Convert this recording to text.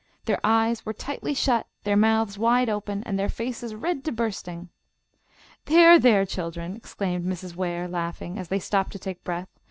Their eyes were tightly shut, their mouths wide open, and their faces red to bursting. "There, there, children!" exclaimed Mrs. Ware, laughingly, as they stopped to take breath.